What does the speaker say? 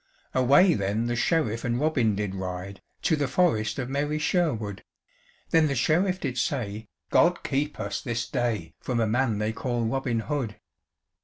Away then the Sheriff and Robin did ride, To the forest of merry Sherwood; Then the Sheriff did say, "God keep us this day From a man they call Robin Hood."